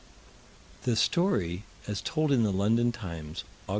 The story, as told in the London Times, Aug.